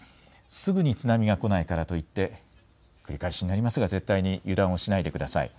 すぐに津波が来ないからといって繰り返しになりますが絶対に油断をしないでください。